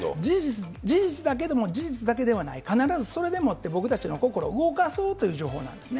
事実だけども事実だけではない、必ずそれでもって僕たちの心、動かそうという情報なんですね。